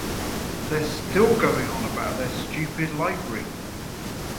They're still going on about their stupid library!